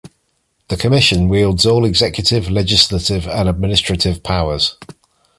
The Commission wields all executive, legislative, and administrative powers.